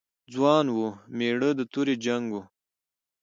ځوان و، مېړه د تورې جنګ و.